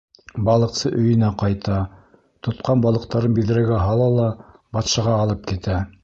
Балыҡсы өйөнә ҡайта, тотҡан балыҡтарын биҙрәгә һала ла батшаға алып китә.